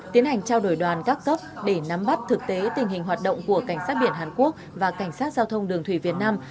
tiến hành trao đổi đoàn các cấp để nắm bắt thực tế tình hình hoạt động của cảnh sát biển hàn quốc và cảnh sát giao thông đường thủy việt nam